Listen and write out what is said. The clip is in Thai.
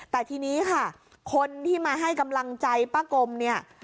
แต่ทีนี้ค่ะคนที่มาให้กำลังใจป้ากลมเนี่ย